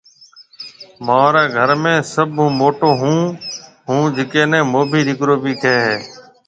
مهاري گهر ۾ سڀ هون موٽو هون هون جيڪنَي موڀي ڏيڪرو بهيَ ڪهيَ هيَ